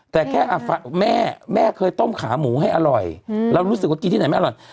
แต่แค่แม่แม่เคยต้มขาหมูให้อร่อยเรารู้สึกว่ากินที่ไหนไม่อร่อย